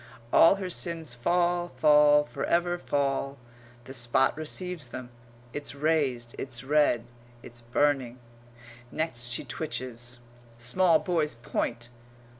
All her sins fall, fall, for ever fall. The spot receives them. It's raised, it's red, it's burning. Next she twitches. Small boys point.